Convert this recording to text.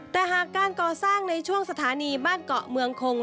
แต่หากการก่อสร้างในช่วงสถานีบ้านเกาะเมืองคง